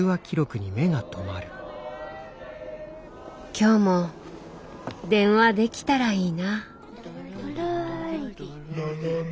今日も電話できたらいいな。